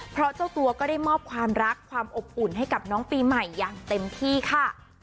เพราะเจ้าตัวก็ได้มอบความรักความอบอุ่นให้กับน้องปีใหม่อย่างเต็มที่ค่ะ